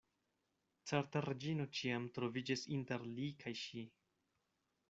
Certe Reĝino ĉiam troviĝis inter li kaj ŝi.